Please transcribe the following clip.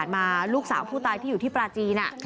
มาลูกสาวผู้ตายที่อยู่ที่ปลาจีน